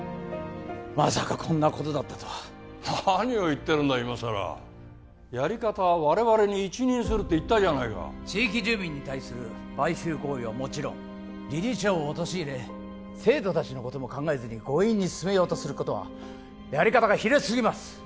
まさかこんなことだったとは何を言ってるんだ今さらやり方は我々に一任するって言ったじゃないか地域住民に対する買収行為はもちろん理事長を陥れ生徒達のことも考えずに強引に進めようとすることはやり方が卑劣すぎます